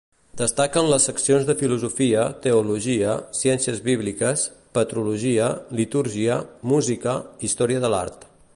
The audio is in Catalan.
Destaquen les seccions de filosofia, teologia, ciències bíbliques, patrologia, litúrgia, música, història de l'art.